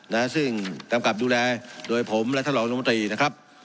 นะซึ่งกำกับดูแลโดยผมและท่านรองลงมาตรีนะครับ